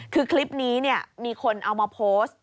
คือคลิปนี้มีคนเอามาโพสต์